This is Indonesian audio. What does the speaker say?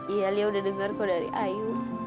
iya lia udah dengar kok dari ayu